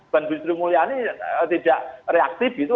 bang bistri mulyani tidak reaktif gitu